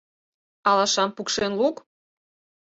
Алашам пукшен лук: